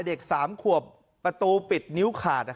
เด็ก๓ขวบประตูปิดนิ้วขาด